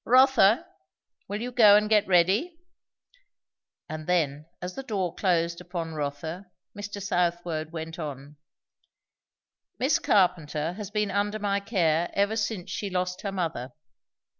Rotha, will you go and get ready?" and then as the door closed upon Rotha Mr. Southwode went on. "Miss Carpenter has been under my care ever since she lost her mother.